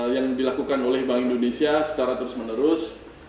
yang dilakukan oleh bank indonesia secara terus menerus